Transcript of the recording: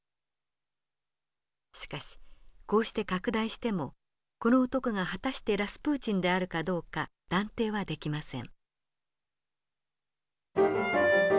しかしこうして拡大してもこの男が果たしてラスプーチンであるかどうか断定はできません。